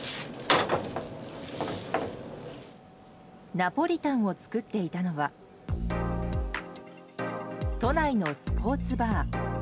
ナポリタンを作っていたのは都内のスポーツバー。